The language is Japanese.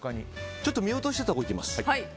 ちょっと見落としてたほういきます。